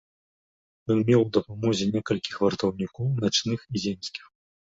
Ён меў ў дапамозе некалькіх вартаўнікоў начных і земскіх.